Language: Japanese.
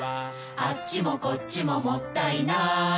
「あっちもこっちももったいない」